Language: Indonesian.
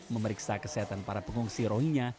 memeriksa kesehatan para pengungsi rohingya